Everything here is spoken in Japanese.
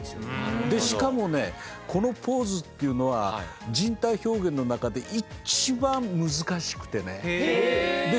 でしかもねこの構図というのは人体表現の中で一番難しくてねで